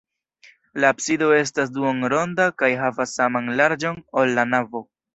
La absido estas duonronda kaj havas saman larĝon, ol la navo.